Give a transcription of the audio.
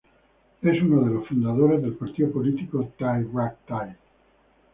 Es uno de los fundadores del partido político Thai Rak Thai.